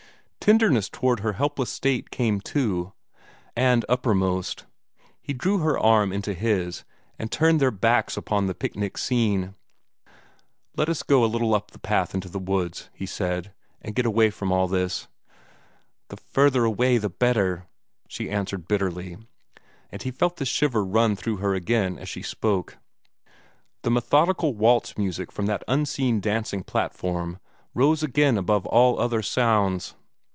Tenderness toward her helpless state came too, and uppermost. He drew her arm into his, and turned their backs upon the picnic scene. "Let us walk a little up the path into the woods," he said, "and get away from all this." "The further away the better," she answered bitterly, and he felt the shiver run through her again as she spoke. The methodical waltz music from that unseen dancing platform rose again above all other sounds.